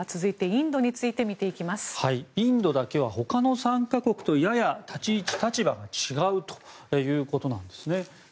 インドだけはほかの３か国と、やや立場が違うということなんですね。